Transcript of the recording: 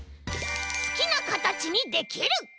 すきなかたちにできる！